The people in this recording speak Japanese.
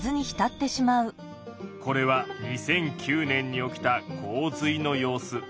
これは２００９年に起きた洪水の様子。